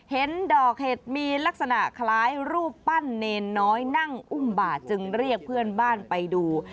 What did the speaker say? เห็นดอกเห็ดมีลักษณะคล้ายรูปปั้นเนรน้อยนั่งอุ้มบาดจึงเรียกเพื่อนบ้านไปดู